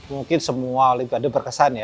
mungkin semua olimpiade berkesan ya